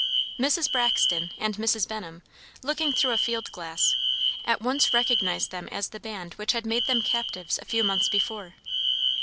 Mrs. Braxton and Mrs. Benham, looking through a field glass, at once recognized them as the band which had made them captives a few months before.